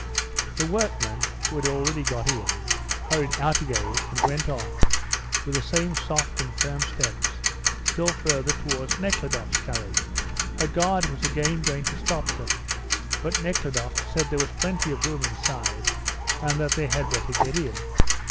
The workmen, who had already got in, hurried out again and went on, with the same soft and firm steps, still further towards Nekhludoff's carriage. A guard was again going to stop them, but Nekhludoff said there was plenty of room inside, and that they had better get in.